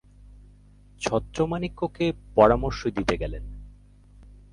ছত্রমাণিক্যকে পরামর্শ দিতে গেলেন।